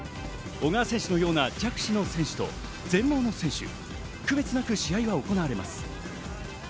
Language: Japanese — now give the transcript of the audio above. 小川選手のような弱視の選手と全盲の選手、区別なく試合は行われます。